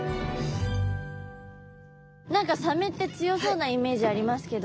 何かサメって強そうなイメージありますけど